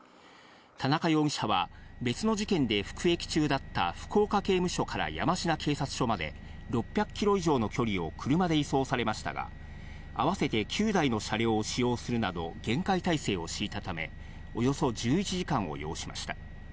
田中容疑者は別の事件で服役中だった福岡刑務所から山科警察署まで６００キロ以上の距離を車で移送されましたが、合わせて９台の車両を使用するなど、厳戒態勢を敷いたため、およそ１１時間を要しました。